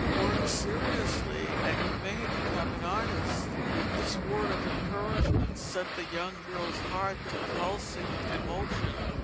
"Work seriously, and you may become an artist." This word of encouragement set the young girl's heart to pulsing with emotion.